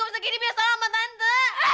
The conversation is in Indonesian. kok bisa kenny biar salah sama tante